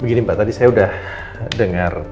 begini mbak tadi saya sudah dengar